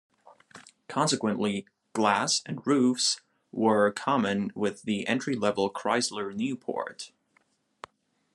Consequently, glass, and roofs were common with the entry-level Chrysler Newport.